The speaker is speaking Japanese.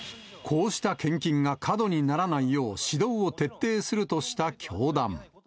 こうした献金が過度にならないよう指導を徹底するとした教団。